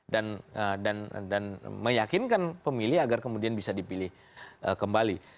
dan meyakinkan pemilih agar kemudian bisa dipilih kembali